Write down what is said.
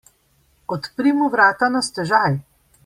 Odpri mu vrata na stežaj!